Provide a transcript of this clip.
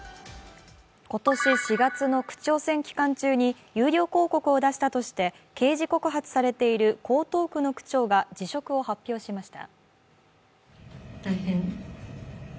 今年４月の区長選期間中に有料広告を出したとして刑事告発されている江東区の区長が辞職を発表しました。